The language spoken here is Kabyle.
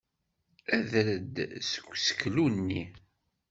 Ader-d seg useklu-nni!